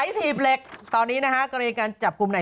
ถีบเหล็กตอนนี้นะฮะกรณีการจับกลุ่มไหน